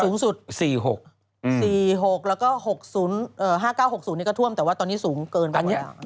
๔๖แล้วก็๕๙๖๐นี่ก็ท่วมแต่ว่าตอนนี้สูงเกินมากกว่าอย่างอื่น